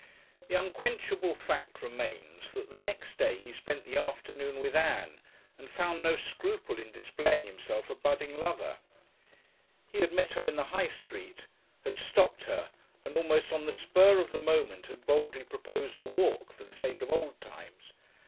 The unquenchable fact remains that the next day he spent the afternoon with Ann and found no scruple in displaying himself a budding lover. He had met her in the High Street, had stopped her, and almost on the spur of the moment had boldly proposed a walk, "for the sake of old times."